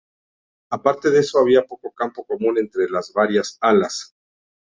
Aparte de eso había poco campo común entre las varias alas.